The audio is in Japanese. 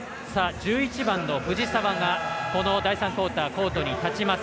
１１番の藤澤がこの第３クオーターコートに立ちます。